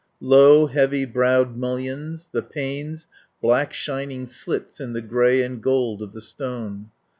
Low heavy browed mullions; the panes, black shining slits in the grey and gold of the stone.